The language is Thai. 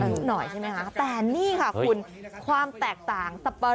นอนดูหน่อยใช่มั้ยนะฮะแต่นี่ค่ะคุณความแตกต่าง